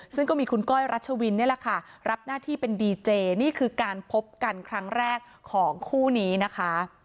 ซึ่งก็มีคุณก้อยรัชวินนี่แหละค่ะรับหน้าที่เป็นดีเจนี่คือการพบกันครั้งแรกของคู่นี้นะคะ